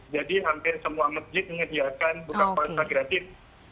jadi hampir semua masjid mengedihakan buka puasa gratis